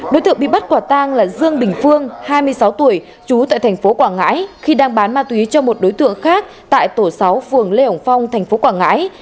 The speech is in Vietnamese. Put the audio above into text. đối tượng bị bắt quả tang là dương đình phương hai mươi sáu tuổi trú tại thành phố quảng ngãi khi đang bán ma túy cho một đối tượng khác tại tổ sáu phường lê hồng phong tp quảng ngãi